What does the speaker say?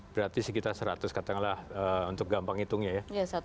berarti sekitar seratus katakanlah untuk gampang hitungnya ya